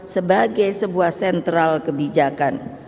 sebagai sebuah sentral kebijakan